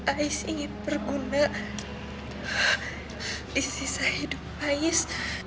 ais ingin berguna di sisa hidup ais